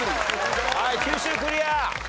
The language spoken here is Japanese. はい九州クリア。